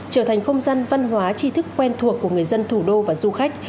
trở thành không gian văn hóa tri thức quen thuộc của người dân thủ đô và du khách